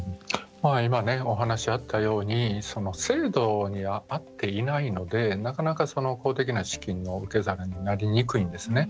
お話があったように制度に合っていないのでなかなか、公的な資金の受け皿にはなりにくいんですね。